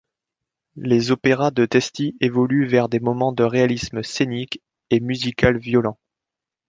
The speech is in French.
Les opéras de Testi évoluent vers des moments de réalisme scénique et musical violents.